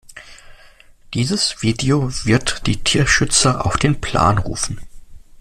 Dieses Video wird die Tierschützer auf den Plan rufen.